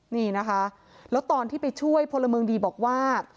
นี่นะคะแล้วตอนที่ไปช่วยพลเมืองดีบอกว่า